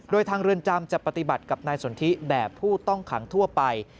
โดยทางเรือนจำจะปฏิบัติกับนายสนทิแบบผู้ต้องขังทั่วไป